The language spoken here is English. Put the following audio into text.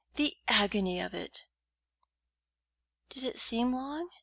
The agony of it!" "Did it seem long?"